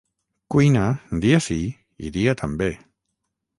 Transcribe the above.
Cuina dia sí i dia també!